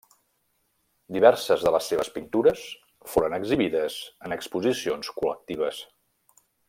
Diverses de les seves pintures foren exhibides en exposicions col·lectives.